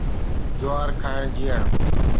جوار کائڻ سان جيئڻ